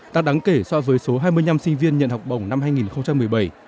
tăng đáng kể so với số hai mươi năm sinh viên nhận học bổng năm hai nghìn một mươi bảy